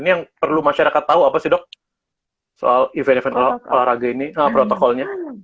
ini yang perlu masyarakat tahu apa sih dok soal event event olahraga ini protokolnya